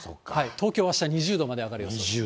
東京、あした２０度まで上がる予想。